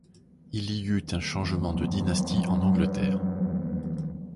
il y eut un changement de dynastie en Angleterre.